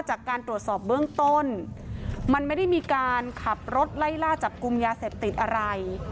จากการตรวจสอบเบื้องต้นมันไม่ได้มีการขับรถไล่ล่าจับกลุ่มยาเสพติดอะไร